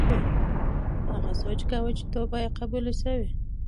هغه سوچ کاوه چې توبه یې قبوله شوې.